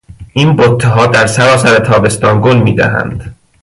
این بتهها در سرتاسر تابستان گل میدهند.